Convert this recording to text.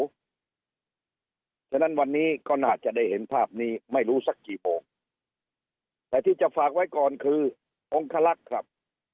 เพราะฉะนั้นวันนี้ก็น่าจะได้เห็นภาพนี้ไม่รู้สักกี่โอ่งแต่ที่จะฝากไว้ก่อนคือองคลักษณ์ครับ